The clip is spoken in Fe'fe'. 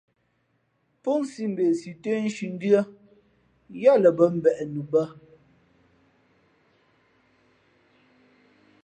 Pó nsī mbe si tə́ nshǐ ndʉ́ά yáá lα bᾱ mbeʼ nu bᾱ.